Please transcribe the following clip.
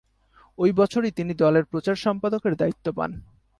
ওই বছরই তিনি দলের প্রচার সম্পাদকের দায়িত্ব পান।